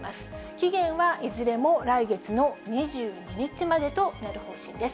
期限はいずれも来月の２２日までとなる方針です。